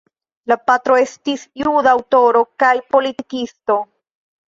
La patro estis juda aŭtoro kaj politikisto.